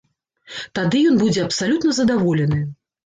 Тады ён будзе абсалютна задаволены.